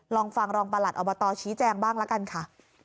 ลองฟังรองประหลัดอบตชี้แจงบ้างละกันค่ะ